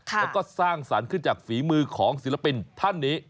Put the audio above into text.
แล้วก็สร้างสรรค์ขึ้นจากฝีมือของศิลปินท่านนี้